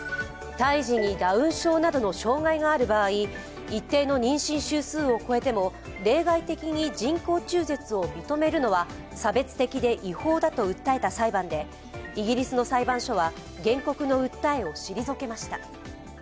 胎児にダウン症などの障害がある場合、一定の妊娠週数を超えても、例外的に人工中絶を認めるのは差別的で違法だと訴えた裁判でイギリスの裁判所は、原告の訴えを退けました。